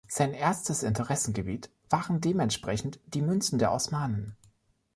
Sein erstes Interessengebiet waren dementsprechend die Münzen der Osmanen.